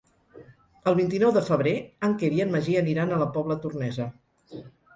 El vint-i-nou de febrer en Quer i en Magí aniran a la Pobla Tornesa.